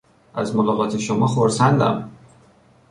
از ملاقات شما خرسندم!